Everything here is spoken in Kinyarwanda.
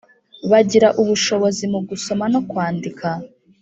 bagira ubushobozi mu gusoma no kwandika